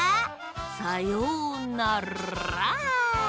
さようなら！